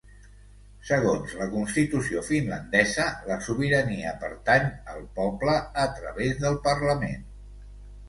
Segons la constitució finlandesa, la sobirania pertany al poble, a través del parlament.